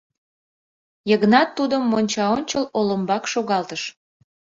Йыгнат тудым мончаончыл олымбак шогалтыш.